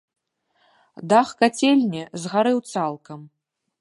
Дах кацельні згарэў цалкам.